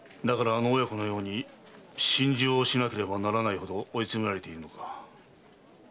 だからあの親子のように心中をしなければならないほど追い詰められているのか。